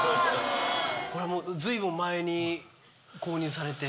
これは随分前に購入されて？